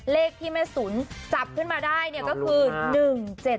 เลขที่แม่สุนจับขึ้นมาได้เนี่ยก็คือ๑๗๗